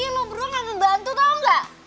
wih lo berdua gak ngebantu tau gak